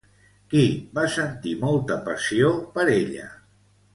Qui va sentir molta passió per ella?